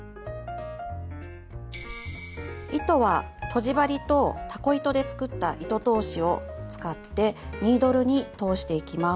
糸はとじ針とたこ糸で作った糸通しを使ってニードルに通していきます。